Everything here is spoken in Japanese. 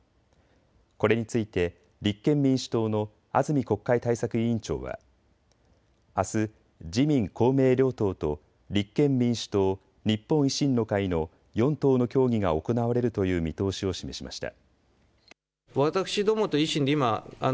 これについて立憲民主党の安住国会対策委員長はあす自民公明両党と立憲民主党、日本維新の会の４党の協議が行われるという見通しを示しました。